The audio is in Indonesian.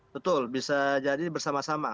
betul bisa jadi bersama sama